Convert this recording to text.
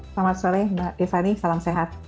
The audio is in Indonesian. selamat sore mbak tiffany salam sehat